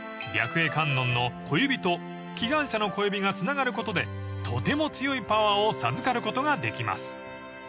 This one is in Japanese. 白衣観音の小指と祈願者の小指がつながることでとても強いパワーを授かることができます］